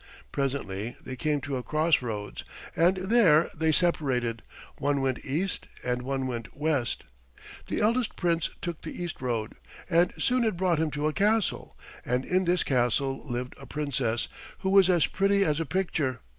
Presently they came to a cross roads, and there they separated; one went east and one went west. The eldest Prince took the east road, and soon it brought him to a castle, and in this castle lived a Princess who was as pretty as a picture.